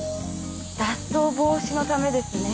脱走防止のためですね。